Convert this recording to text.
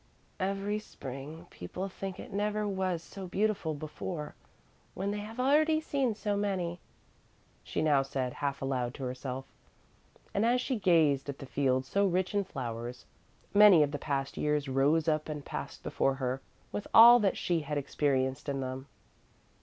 "Every Spring, people think it never was so beautiful before, when they have already seen so many," she now said half aloud to herself, and as she gazed at the fields so rich in flowers, many of the past years rose up and passed before her, with all that she had experienced in them.